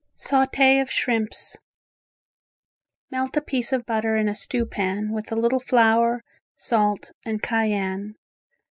Saute of Shrimps Melt a piece of butter in a stewpan with a little flour, salt and cayenne.